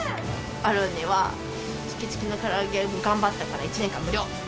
アロンには、チキチキのから揚げ、頑張ったから、１年間無料。